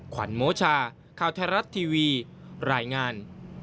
ขวัญโมชาข่าวไทยรัฐทีวีรายงาน